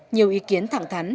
nhiều ý kiến thẳng thắn